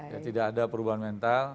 ya tidak ada perubahan mental